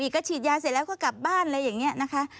ก็ฉีดยาเสร็จแล้วก็กลับบ้านอะไรอย่างนี้นะคะ